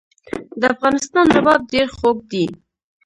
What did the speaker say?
د افغانستان رباب ډیر خوږ دی